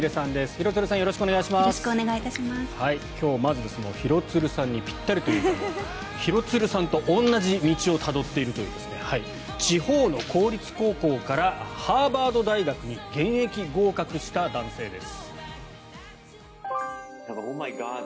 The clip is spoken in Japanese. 今日はまず廣津留さんにぴったりというか廣津留さんと同じ道をたどっているという地方の公立高校からハーバード大学に現役合格した男性です。